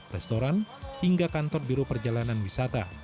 restoran hingga kantor biro perjalanan wisata